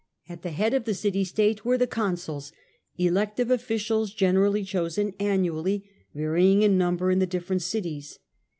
At the head of the city state were the "consuls," elective officers generally chosen annually, varying in number in the different cities.